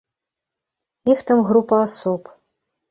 Іх там група асоб.